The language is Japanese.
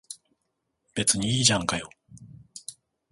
別にいいじゃんかよ。